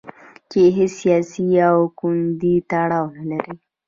چې هیڅ سیاسي او ګوندي تړاو نه لري.